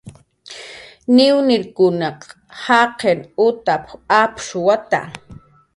"Niwniekunaq jaqin utap"" apshuwata"